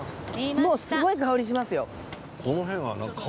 もうすごい香りしますよ。